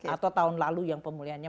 atau tahun lalu yang pemulihannya